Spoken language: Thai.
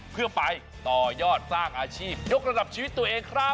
เพื่อไปต่อยอดสร้างอาชีพยกระดับชีวิตตัวเองครับ